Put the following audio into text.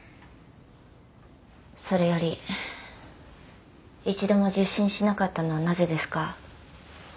それより一度も受診しなかったのはなぜですか？